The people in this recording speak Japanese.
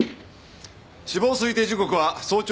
死亡推定時刻は早朝４時頃。